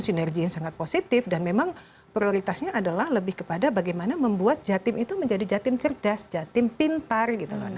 sinergi yang sangat positif dan memang prioritasnya adalah lebih kepada bagaimana membuat jatim itu menjadi jatim cerdas jatim pintar gitu loh